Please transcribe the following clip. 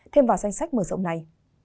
thêm vào danh sách mở rộng này